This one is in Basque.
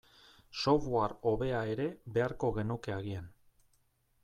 Software hobea ere beharko genuke agian.